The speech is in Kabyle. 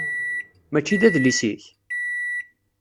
Mačči d adlis-ik?